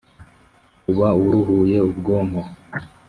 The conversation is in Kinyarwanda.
uba uruhuye ubwonko